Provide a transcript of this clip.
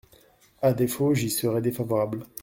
À défaut, j’y serai défavorable.